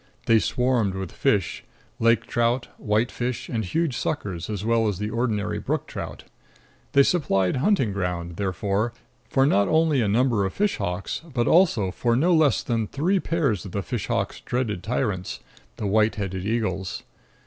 They swarmed with fish lake trout, white fish, and huge suckers, as well as the ordinary brook trout. They supplied hunting ground, therefore, for not only a number of fish hawks, but also for no less than three pairs of the fish hawks' dreaded tyrants, the white headed eagles.